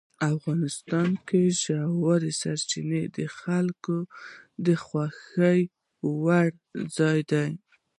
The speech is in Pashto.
افغانستان کې ژورې سرچینې د خلکو د خوښې وړ ځای دی.